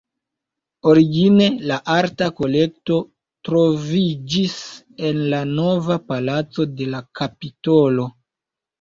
Origine la arta kolekto troviĝis en la "Nova Palaco" de la Kapitolo.